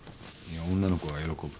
女の子が喜ぶ。